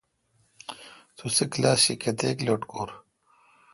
تسے°کلاس شی کتیک لٹکور۔